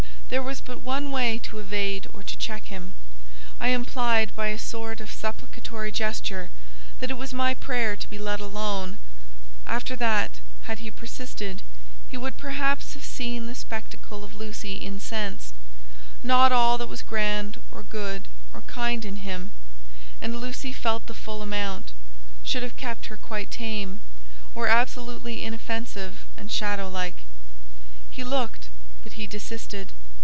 There was but one way to evade or to check him. I implied, by a sort of supplicatory gesture, that it was my prayer to be let alone; after that, had he persisted, he would perhaps have seen the spectacle of Lucy incensed: not all that was grand, or good, or kind in him (and Lucy felt the full amount) should have kept her quite tame, or absolutely inoffensive and shadowlike. He looked, but he desisted.